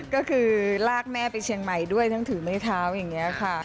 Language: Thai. ก็คือลากแม่ไปเชียงใหม่ด้วยทั้งถือไม้เท้าอย่างนี้ค่ะ